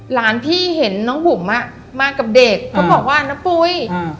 หลานพี่เห็นน้องบุ๋มอ่ะมากับเด็กเขาบอกว่าน้าปุ๋ยอ่า